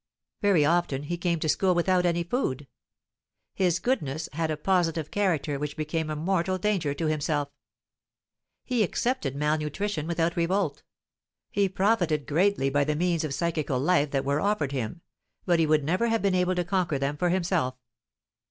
Very often he came to school without any food. His goodness had a positive character which became a mortal danger to himself; he accepted mal nutrition without revolt; he profited greatly by the means of psychical life that were offered him, but he would never have been able to conquer them for himself.